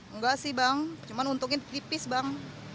enggak sih bang cuma untungin tipis bang